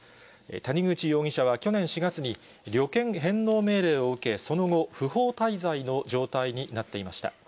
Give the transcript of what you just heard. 谷口容疑者は去年４月に、旅券返納命令を受け、その後、不法滞在の状態になっていました。